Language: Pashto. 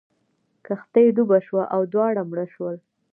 کښتۍ ډوبه شوه او دواړه مړه شول.